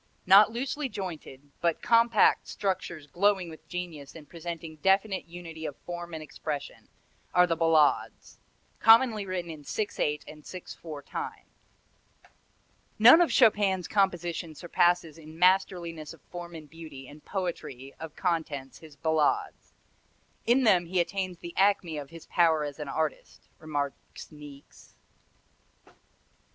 Not loosely jointed, but compact structures glowing with genius and presenting definite unity of form and expression, are the ballades commonly written in six eight and six four time. "None of Chopin's compositions surpasses in masterliness of form and beauty and poetry of contents his ballades. In them he attains the acme of his power as an artist," remarks Niecks.